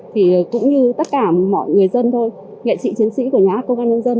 thì cũng như tất cả mọi người dân thôi nghệ sĩ chiến sĩ của nhà hát công an nhân dân